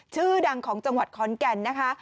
ชื่อดังของจังหวัดขอนแก่นนะคะ